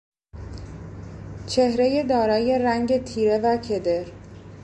چهرهی دارای رنگ تیره و کدر